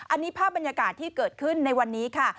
อันนี้ภาพบรรยากาศที่เกิดขึ้นในวันนี้ค่ะ